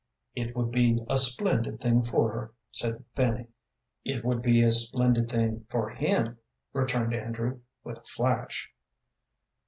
"It would be a splendid thing for her," said Fanny. "It would be a splendid thing for him," returned Andrew, with a flash.